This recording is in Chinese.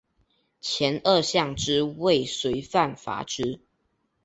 前二项之未遂犯罚之。